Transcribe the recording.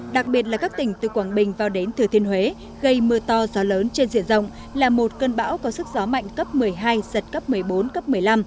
đặc biệt là các tỉnh từ quảng bình vào đến thừa thiên huế gây mưa to gió lớn trên diện rộng là một cơn bão có sức gió mạnh cấp một mươi hai giật cấp một mươi bốn cấp một mươi năm